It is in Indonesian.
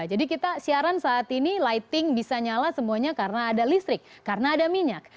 jadi kita siaran saat ini lighting bisa nyala semuanya karena ada listrik karena ada minyak